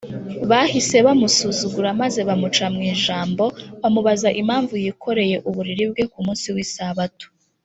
Bahise bamusuzugura maze bamuca mu ijambo, bamubaza impamvu yikoreye uburiri bwe ku munsi w’Isabato.